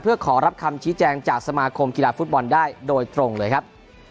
เพื่อขอรับคำชี้แจงจากสมาคมกีฬาฟุตบอลได้โดยตรงเลยครับ